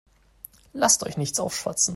Lasst euch nichts aufschwatzen.